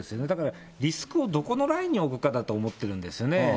だからリスクをどこのラインに置くかだと思ってるんですよね。